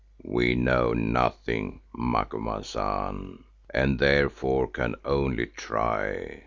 "We know nothing, Macumazahn, and therefore can only try.